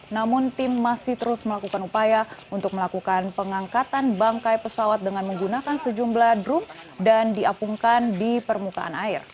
namun tim masih terus melakukan upaya untuk melakukan pengangkatan bangkai pesawat dengan menggunakan sejumlah drum dan diapungkan di permukaan air